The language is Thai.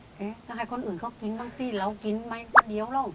เอ้ยจะให้คนอื่นเข้ากินซักสินแล้วกินไม่เบียวหรอก